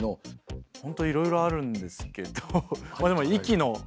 本当いろいろあるんですけど息の量とか。